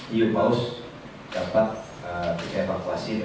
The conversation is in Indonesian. di u pause dapat di evakuasi